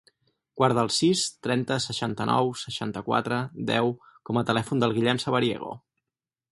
Guarda el sis, trenta, seixanta-nou, seixanta-quatre, deu com a telèfon del Guillem Sabariego.